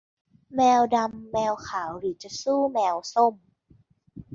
แมวดำแมวขาวหรือจะสู้แมวส้ม